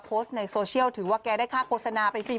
โพสต์ในโซเชียลถือว่าแกได้ค่าโฆษณาไปฟรี